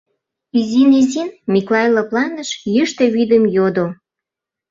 Изин-изин Миклай лыпланыш, йӱштӧ вӱдым йодо.